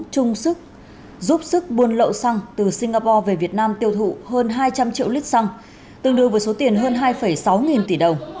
chung sức giúp sức buôn lậu xăng từ singapore về việt nam tiêu thụ hơn hai trăm linh triệu lít xăng tương đương với số tiền hơn hai sáu nghìn tỷ đồng